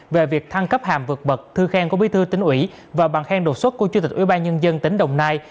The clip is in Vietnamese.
về việc thăng cấp hàm vượt bậc thư khen của bí thư tỉnh ủy và bằng khen đột xuất của chủ tịch ubnd tỉnh đồng nai